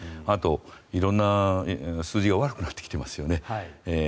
あと色んな数字が悪くなってきてますよね。